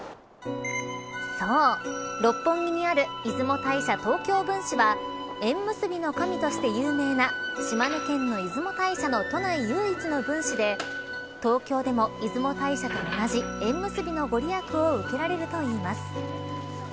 そう六本木にある出雲大社東京分祠は縁結びの神として有名な島根県の出雲大社の都内唯一の分祠で東京でも出雲大社と同じ縁結びの御利益を受けられるといいます。